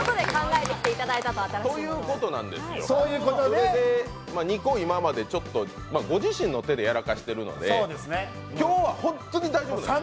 それで、２個今まで、ご自身の手でやらかしてるので今日はホントに大丈夫ですか？